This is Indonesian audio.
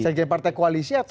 sekjen partai koalisi atau